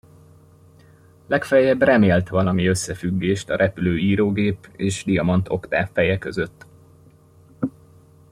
Legfeljebb remélt valami összefüggést a repülő írógép és Diamant Oktáv feje között.